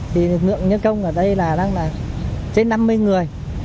thì lực lượng nhân công ở đây là đang là trên năm mươi người